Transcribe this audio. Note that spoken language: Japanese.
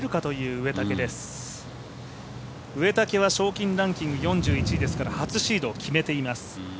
植竹は賞金ランキング４１位ですから初シードを決めています。